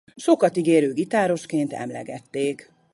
Sokat ígérő gitárosként emlegették.